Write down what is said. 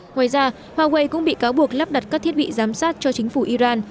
ngoài ra huawei cũng bị cáo buộc lắp đặt các thiết bị giám sát cho chính phủ iran